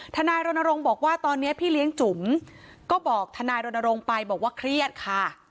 ทนายรณรงค์บอกว่าตอนนี้พี่เลี้ยงจุ๋มก็บอกทนายรณรงค์ไปบอกว่าเครียดค่ะ